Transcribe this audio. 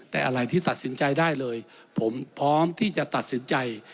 แต่อะไรที่ตัดสินใจได้เลยผมพร้อมที่จะตัดสินใจ